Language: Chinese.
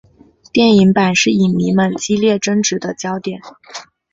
电影版是影迷们激烈争执的焦点。